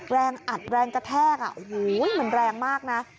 แรงอัดแรงกระแทกอ่ะโอ้โหเหมือนแรงมากน่ะ